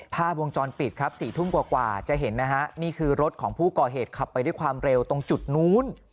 ภาพวงจรปิดครับ๔ทุ่มกว่าจะเห็นนะฮะนี่คือรถของผู้ก่อเหตุขับไปด้วยความเร็วตรงจุดนู้น